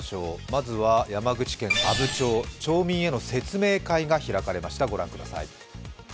まずは山口県阿武町町民への説明会が開かれました。